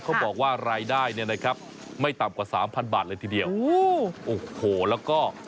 เขาบอกว่ารายได้เนี่ยนะครับไม่ต่ำกว่าสามพันบาทเลยทีเดียวโอ้โหแล้วก็